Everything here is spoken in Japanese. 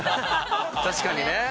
確かにね。